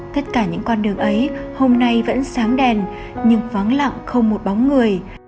tất cả những con đường ấy hôm nay vẫn sáng đèn nhưng vắng lặng không một bóng người